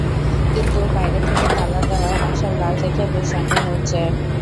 কিন্তু বাইরে থেকে তালা দেওয়া বাসায় লাশ দেখে বেশ সন্দেহ হচ্ছে।